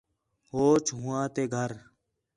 ہوچ ہوآں تے گھر